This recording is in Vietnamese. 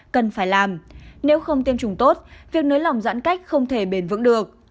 cần phải làm nếu không tiêm chủng tốt việc nới lỏng giãn cách không thể bền vững được